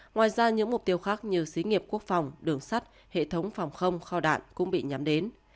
ngoài ra những mục tiêu khác như xí nghiệp quốc phòng đường sắt hệ thống phòng không kho đạn cũng bị nhắm đến